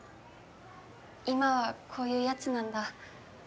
今はこういうやつなんだ。